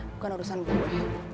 bukan urusan gue